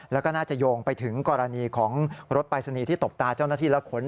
แล้วก็น่าจะโยงไปถึงกรณีของรถปรายศนีย์ที่ตบตาเจ้าหน้าที่และขน